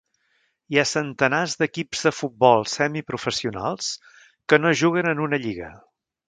Hi ha centenars d'equips de futbol semiprofessionals que no juguen en una lliga.